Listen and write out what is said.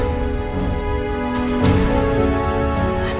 kan dalam japanese cook furthermore